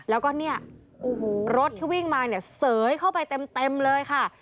แล้วก็เนี่ยรถที่วิ่งมาเนี่ยเสยเข้าไปเต็มเลยค่ะ